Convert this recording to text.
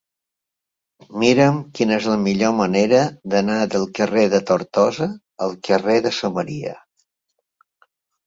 Mira'm quina és la millor manera d'anar del carrer de Tortosa al carrer de Samaria.